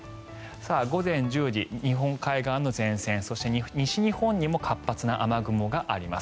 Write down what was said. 午前１０時、日本海側の前線西日本にも活発な雨雲があります。